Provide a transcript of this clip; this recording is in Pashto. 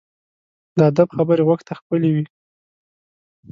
د ادب خبرې غوږ ته ښکلي وي.